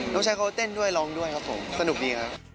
ใช้เขาเต้นด้วยร้องด้วยครับผมสนุกดีครับ